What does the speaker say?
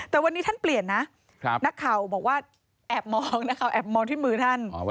แต่วันนี้ท่านเปลี่ยนนะนักข่าวบอกว่าแอบมองนะคะแอบมองที่มือท่าน